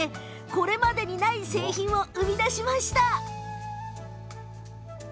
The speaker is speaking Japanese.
これまでにない製品を生み出しました。